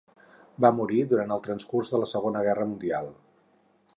Va morir durant el transcurs de la Segona Guerra Mundial.